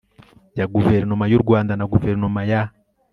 ya Guverinoma y u Rwanda na Guverinoma ya